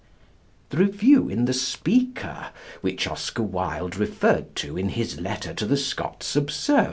The review in The Speaker which Oscar Wilde referred to in his letter to The Scots Observer (see par.